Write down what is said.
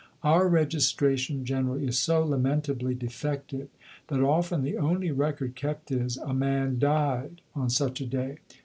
Our registration generally is so lamentably defective that often the only record kept is a man died on such a day.